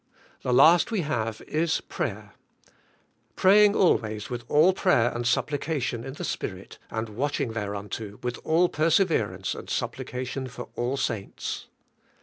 The last we have is p?'ayer: "Praying al ways with all pra3^er and supplication in the Spirit and watching thereunto with all perseverance and supplication for all saints."